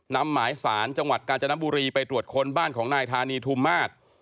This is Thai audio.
นำหมายสารจังหวัดกาญจนบุรีไปตรวจค้นบ้านของนายธานีทุมมาศ